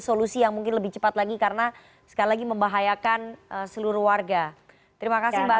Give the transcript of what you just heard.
solusi yang mungkin lebih cepat lagi karena sekali lagi membahayakan seluruh warga terima kasih mbak